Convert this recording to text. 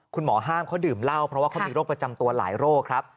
คุณหมอห้ามเขาดื่มเหล้าเพราะว่าเขามีโรคประจำตัวหลายโรคครับ